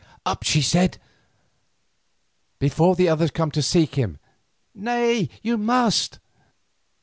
"Up," she said, "before others come to seek him. Nay, you must."